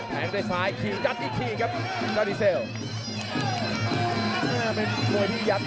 แผงด้วยซ้ายขี่ยัดอีกทีครับ